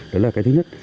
đấy là cái thứ nhất